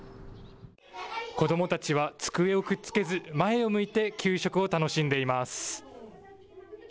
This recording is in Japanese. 子どもたちは机をくっつけず前を向いて給食を楽しんでいます。